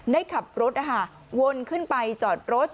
ได้ขับรถวนขึ้นไปจอดรถ